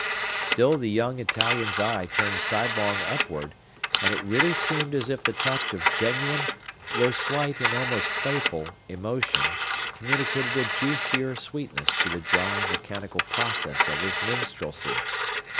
Still the young Italian's eye turned sidelong upward; and it really seemed as if the touch of genuine, though slight and almost playful, emotion communicated a juicier sweetness to the dry, mechanical process of his minstrelsy.